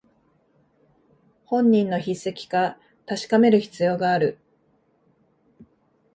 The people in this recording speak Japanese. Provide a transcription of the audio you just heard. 本人の筆跡か確かめる必要がある